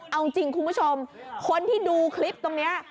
เอาจริงคุณผู้ชมคนที่ดูคลิปตรงนี้